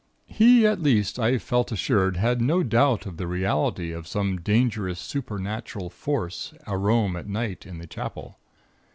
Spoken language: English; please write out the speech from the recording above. He, at least, I felt assured had no doubt of the reality of some dangerous supernatural Force a roam at night in the Chapel.